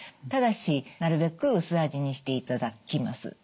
ただしなるべく薄味にしていただきます。